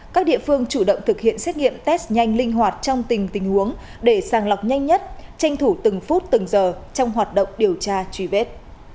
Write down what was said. các địa phương chủ động thực hiện xét nghiệm test nhanh linh hoạt trong tình huống để sàng lọc nhanh nhất tranh thủ từng phút từng giờ trong hoạt động điều tra truy vết